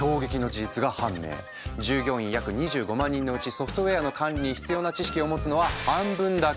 従業員約２５万人のうちソフトウェアの管理に必要な知識を持つのは半分だけ。